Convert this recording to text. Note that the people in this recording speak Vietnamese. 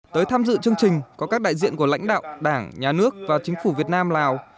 tới tham dự chương trình có các đại diện của lãnh đạo đảng nhà nước và chính phủ việt nam lào